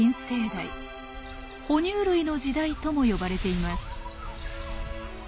「ほ乳類の時代」とも呼ばれています。